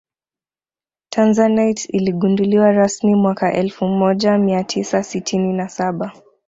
tanzanite iligunduliwa rasmi mwaka elfu moja mia tisa sitini na saba